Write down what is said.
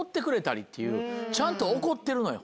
ちゃんと怒ってるのよ。